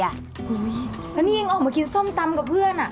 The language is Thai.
แล้วนี่ยังออกมากินส้มตำกับเพื่อน